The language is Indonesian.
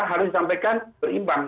harus disampaikan berimbang